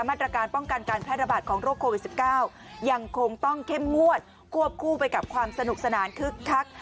มาตรการป้องกันการแพร่ระบาดของโรคโควิด๑๙ยังคงต้องเข้มงวดควบคู่ไปกับความสนุกสนานคึกคัก